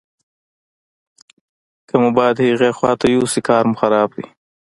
که مو باد هغې خواته یوسي کار مو خراب دی.